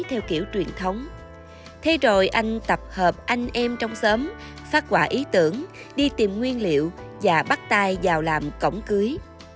theo kiểu truyền thống thế rồi anh tập hợp anh em trong xóm phát quả ý tưởng đi tìm nguyên liệu và bắt tay vào làm cổng cưới